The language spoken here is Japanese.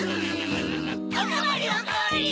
おかわりおかわり！